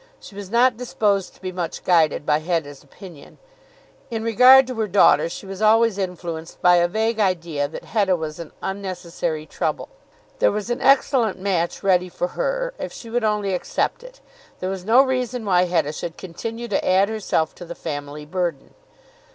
She was not disposed to be much guided by Hetta's opinion. In regard to her daughter she was always influenced by a vague idea that Hetta was an unnecessary trouble. There was an excellent match ready for her if she would only accept it. There was no reason why Hetta should continue to add herself to the family burden.